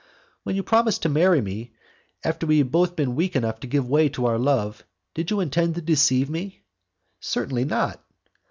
"When you promised to marry me, after we had both been weak enough to give way to our love, did you intend to deceive me?" "Certainly not."